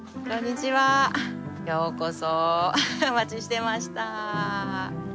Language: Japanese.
ようこそお待ちしてました。